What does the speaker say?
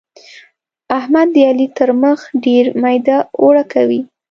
احمد د علي تر مخ ډېر ميده اوړه کوي.